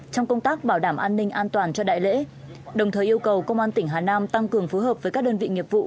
trong công tác bảo đảm an ninh an toàn cho đại lễ đồng thời yêu cầu công an tỉnh hà nam tăng cường phối hợp với các đơn vị nghiệp vụ